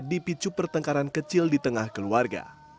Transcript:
di picu pertengkaran kecil di tengah keluarga